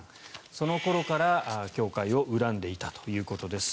その頃から教会を恨んでいたということです。